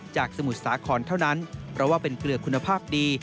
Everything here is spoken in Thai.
สมุทรสาครเท่านั้นเพราะว่าเป็นเกลือคุณภาพดี